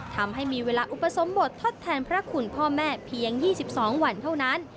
ทำให้มีเวลาอุปสมบททดแทนพระคุณพ่อแม่เพียง๒๒วันเท่านั้น